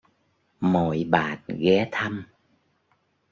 Mọi bạn ghé thăm